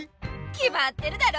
きまってるだろ！